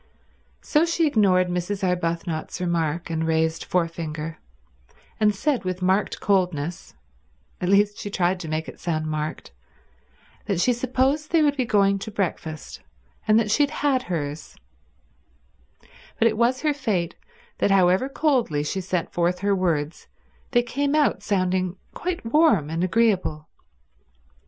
So she ignored Mrs. Arbuthnot's remark and raised forefinger, and said with marked coldness—at least, she tried to make it sound marked— that she supposed they would be going to breakfast, and that she had had hers; but it was her fate that however coldly she sent forth her words they came out sounding quite warm and agreeable.